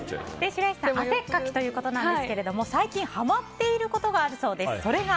白石さん、汗っかきということなんですけれども最近はまっていることがあるそうです。